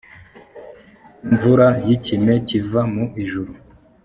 imvura y ikime kiva mu ijuru